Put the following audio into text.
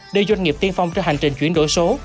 đưa doanh nghiệp tiên phong trên hành trình chuyển đổi số